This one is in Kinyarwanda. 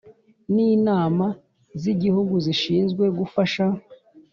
n’Inama z’Igihugu zishinzwe gufasha